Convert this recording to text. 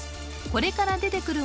これから出てくる文字を